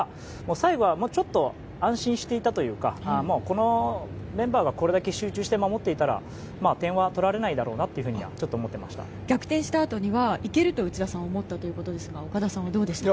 最後はちょっと安心していたというかこのメンバーがこれだけ集中して守っていたら点は取られないだろうと逆転したあとには行けると内田さんは思ったということですが岡田さんはどうでしたか？